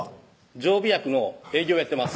常備薬の営業をやってます